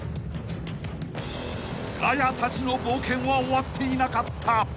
［ガヤたちの冒険は終わっていなかった］